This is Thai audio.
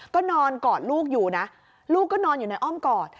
ก็นอนกอดลูกอยู่นะลูกก็นอนอยู่ในอ้อมกอด